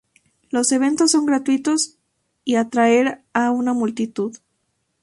Los eventos son gratuitos y atraer a una multitud.